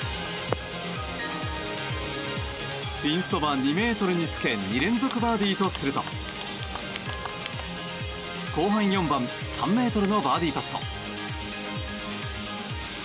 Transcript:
ピンそば２ｍにつけ２連続バーディーとすると後半４番３ｍのバーディーパット。